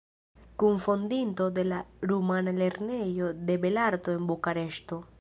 Kunfondinto de la rumana Lernejo de belarto en Bukareŝto.